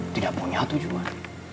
tidak punya tujuan